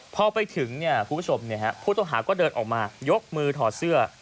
พอไปถึงเนี่ยผู้ผู้ชมเนี่ยฮะผู้ต้องหาก็เดินออกมายกมือถอดเสื้อ